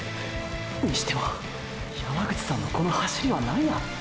にしても山口さんのこの走りは何や！